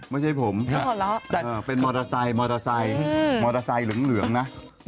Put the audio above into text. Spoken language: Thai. ไม่ใช่ผมแต่เป็นมอเตอร์ไซค์มอเตอร์ไซค์เหลืองนะ